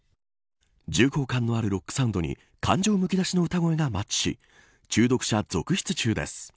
重厚感のあるロックサウンドに感情むき出しの歌声がマッチし中毒者、続出中です。